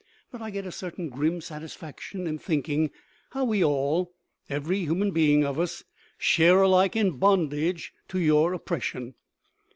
But I get a certain grim satisfaction in thinking how we all every human being of us share alike in bondage to your oppression.